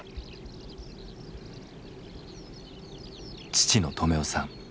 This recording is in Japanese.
父の止男さん。